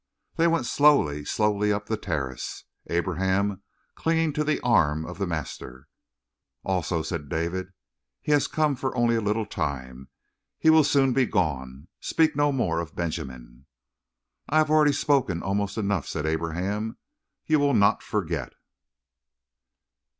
They went slowly, slowly up the terrace, Abraham clinging to the arm of the master. "Also," said David, "he has come for only a little time. He will soon be gone. Speak no more of Benjamin." "I have already spoken almost enough," said Abraham. "You will not forget."